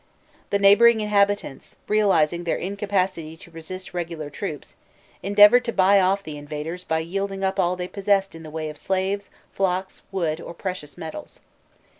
The neighbouring inhabitants, realizing their incapacity to resist regular troops, endeavoured to buy off the invaders by yielding up all they possessed in the way of slaves, flocks, wood, or precious metals.